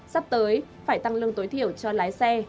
sắp tới phải tăng lương tối thiểu cho lái xe